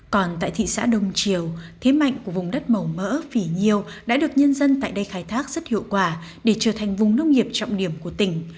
còn tại thị xã đông triều thế mạnh của vùng đất màu mỡ phỉ nhiêu đã được nhân dân tại đây khai thác rất hiệu quả để trở thành vùng nông nghiệp trọng điểm của tỉnh